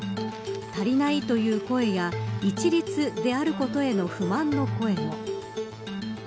足りないという声や一律であることへの不満の声も。